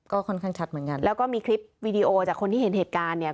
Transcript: ก็ค่อนข้างชัดเหมือนกันแล้วก็มีคลิปวีดีโอจากคนที่เห็นเหตุการณ์เนี่ย